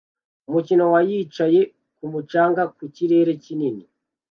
Umukino wa yicaye kumu canga mu kirere kinini